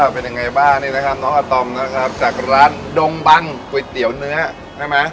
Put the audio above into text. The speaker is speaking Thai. เป็นยังไงบ้างนี่นะครับน้องอาตอมนะครับจากร้านดงบันก๋วยเตี๋ยวเนื้อใช่ไหม